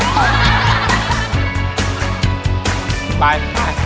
กล้ากุ้งพุ่งไป